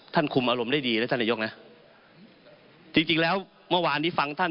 คุมอารมณ์ได้ดีนะท่านนายกนะจริงจริงแล้วเมื่อวานที่ฟังท่าน